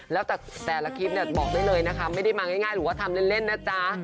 แล้วแต่แต่ละคลิปเนี่ยบอกได้เลยนะคะไม่ได้มาง่ายหรือว่าทำเล่นนะจ๊ะ